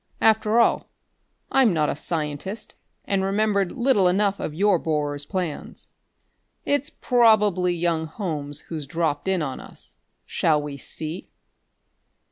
After all, I'm not a scientist, and remembered little enough of your borer's plans.... It's probably young Holmes who's dropped in on us. Shall we see?"